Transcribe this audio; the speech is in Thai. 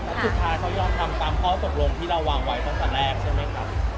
แล้วสุขาเขายอมตามข้อตกลงที่เราวางไว้ตั้งแต่แรคใช่ไหมคะ